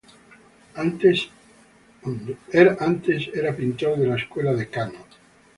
Antes era pintor de la escuela de Kano.